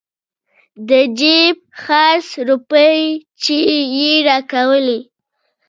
د جيب خرڅ روپۍ چې يې راکولې.